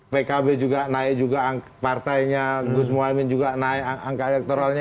pkb juga naik juga angka partainya gus mohamad juga naik angka elektorannya